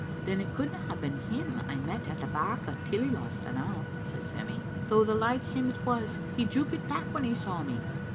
" Then it couldna hae been him I met at the back o* Tillyloss the now," said Femie, "though like him it was. He joukit back when he saw me."